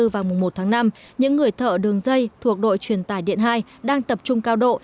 vào mùa một tháng năm những người thợ đường dây thuộc đội truyền tải điện hai đang tập trung cao độ